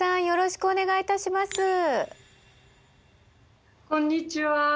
よろしくお願いします。